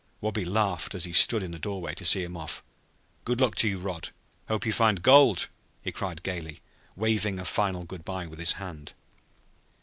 Wabi laughed as he stood in the doorway to see him off. "Good luck to you, Rod; hope you find gold," he cried gaily, waving a final good by with his hand.